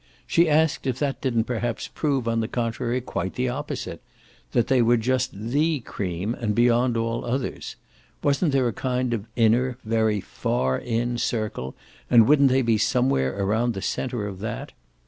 She asked if that didn't perhaps prove on the contrary quite the opposite that they were just THE cream and beyond all others. Wasn't there a kind of inner, very FAR in, circle, and wouldn't they be somewhere about the centre of that?